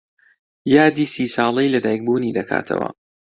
یادی سی ساڵەی لەدایکبوونی دەکاتەوە.